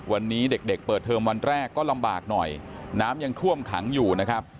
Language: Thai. วันนี้เด็กเปิดเทอมวันแรกก็ลำบากหน่อยน้ำยังท่วมขังอยู่นะครับ